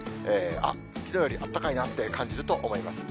あっ、きのうよりあったかいなって感じると思います。